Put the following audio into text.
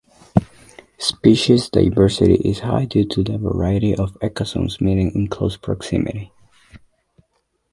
Species diversity is high due to the variety of ecozones meeting in close proximity.